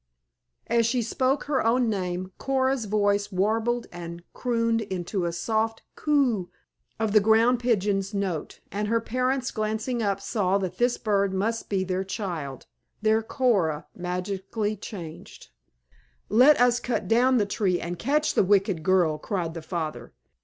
As she spoke her own name Coora's voice warbled and crooned into the soft coo of a Ground Pigeon's note, and her parents glancing up saw that this bird must be their child, their Coora, magically changed. "Let us cut down the tree and catch the wicked girl!" cried the father.